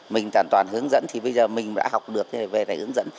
mình toàn toàn hướng dẫn thì bây giờ mình đã học được về này hướng dẫn